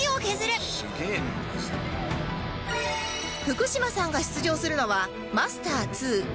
福島さんが出場するのはマスター２青帯ライト級